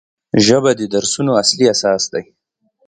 ژبه د درسونو اصلي اساس دی